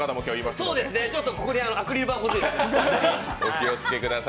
ここにアクリル板が欲しいですね。